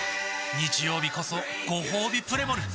日曜日こそごほうびプレモル！